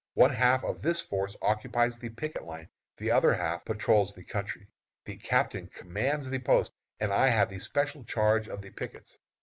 One half of this force occupies the picket line, the other half patrols the country. The captain commands the post, and I have the special charge of the pickets.